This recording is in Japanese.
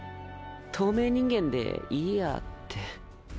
透明人間でいいやって。